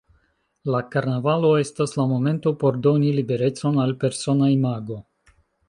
La Karnavalo estas la momento por doni liberecon al persona imago.